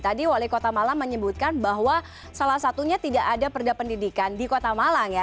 tadi wali kota malang menyebutkan bahwa salah satunya tidak ada perda pendidikan di kota malang ya